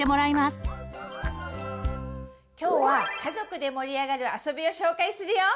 今日は家族で盛り上がるあそびを紹介するよ！